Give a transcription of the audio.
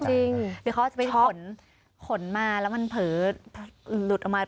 จริงหรือเขาจะไปขนขนมาแล้วมันเผลอหลุดออกมา